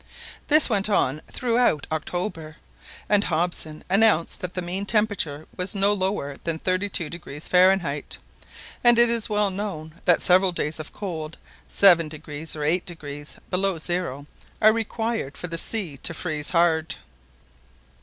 This went on throughout October, and Hobson announced that the mean temperature was no lower than 32° Fahrenheit, and it is well known that several days of cold, 7° or 8° below zero, are required for the sea to freeze hard.